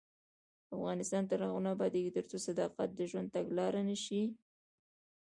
افغانستان تر هغو نه ابادیږي، ترڅو صداقت د ژوند تګلاره نشي.